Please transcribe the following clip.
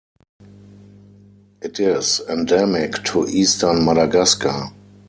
It is endemic to eastern Madagascar.